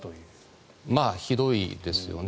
ひどいですね。